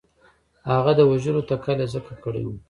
هغه د وژلو تکل یې ځکه کړی وو.